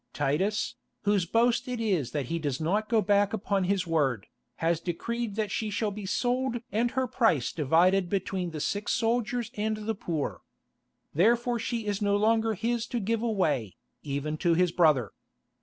Titus, whose boast it is that he does not go back upon his word, has decreed that she shall be sold and her price divided between the sick soldiers and the poor. Therefore she is no longer his to give away, even to his brother.